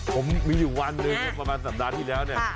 ผมมีอยู่วันหนึ่งประมาณสัปดาห์ที่แล้วเนี่ย